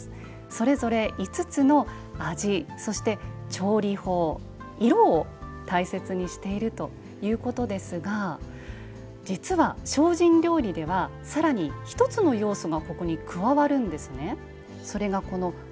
それぞれ５つの味そして、調理法、色を大切にしているということですが実は、精進料理ではさらに１つの要素がここに加わるんですね。